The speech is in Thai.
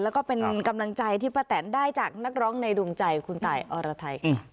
แล้วก็เป็นกำลังใจที่ป้าแตนได้จากนักร้องในดวงใจคุณตายอรไทยค่ะ